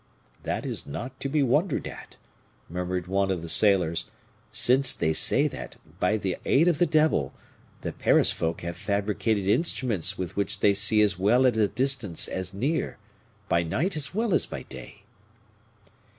"That is not to be wondered at," murmured one of the sailors, "since they say that, by the aid of the devil, the Paris folk have fabricated instruments with which they see as well at a distance as near, by night as well as by day."